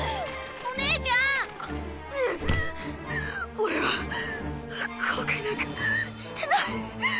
俺は後悔なんかしてない。